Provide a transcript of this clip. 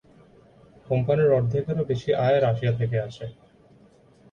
কোম্পানির অর্ধেকেরও বেশি আয় রাশিয়া থেকে আসে।